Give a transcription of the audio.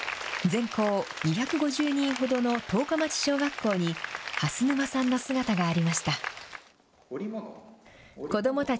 全校２５０人ほどの十日町小学校に、蓮沼さんの姿がありました。